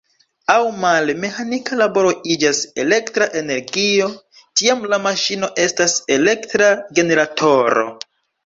Aŭ male, meĥanika laboro iĝas elektra energio, tiam la maŝino estas elektra generatoro.